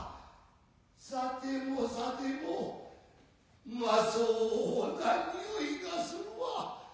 さてもさてもうまそうな匂いがするわ。